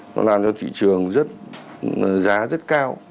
nó làm cho thị trường giá rất cao